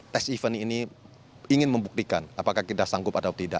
tes event ini ingin membuktikan apakah kita sanggup atau tidak